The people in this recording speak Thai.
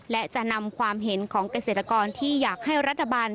และจะนำความเห็นของเกษตรกรที่อยากให้รัฐบาล